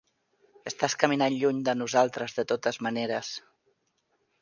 Estàs caminant lluny de nosaltres de totes maneres...